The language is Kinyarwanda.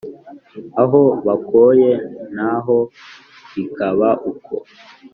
aho bakoye na ho bikaba uko